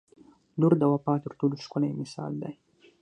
• لور د وفا تر ټولو ښکلی مثال دی.